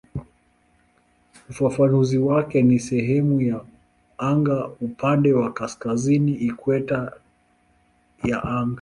Ufafanuzi wake ni "sehemu ya anga upande wa kaskazini wa ikweta ya anga".